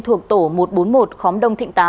thuộc tổ một trăm bốn mươi một khóm đông thịnh tám